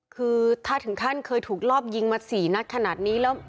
คือถ้าถึงขั้นเคยถูกรอบยิงมา๔นัดขนาดนี้แล้ว